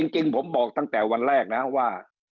จริงผมบอกตั้งแต่วันแรกนะว่า